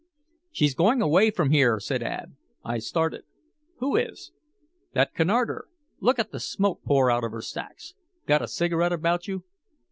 "She's going away from here," said Ab. I started: "Who is?" "That Cunarder. Look at the smoke pour out of her stacks. Got a cigarette about you?"